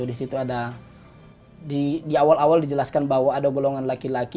di situ ada di awal awal dijelaskan bahwa ada golongan laki laki